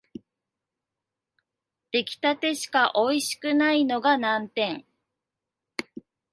出来立てしかおいしくないのが難点